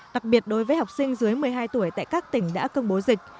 đặc biệt đối với học sinh dưới một mươi hai tuổi tại các tỉnh đã công bố dịch